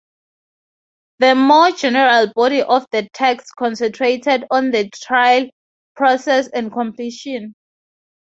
The more general body of the text concentrated on the trial process and completion.